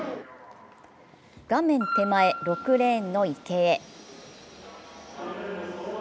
画面手前６レーンの池江。